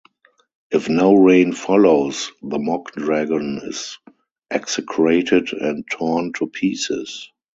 If no rain follows, the mock-dragon is execrated and torn to pieces.